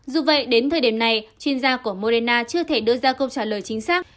dù vậy đến thời điểm này chuyên gia của morena chưa thể đưa ra câu trả lời chính xác